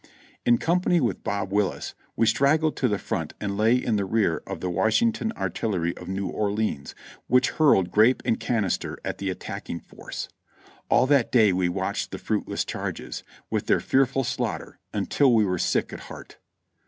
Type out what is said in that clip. In company with Bob Willis, we straggled to the front and lay in the rear of the Washington Artillery of New Orleans, which hurled grape and canister at the attacking force. All that day we watched the fruitless charges, with their fearful slaughter, until we were sick at heart.